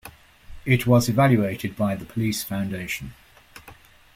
It was evaluated by the Police Foundation.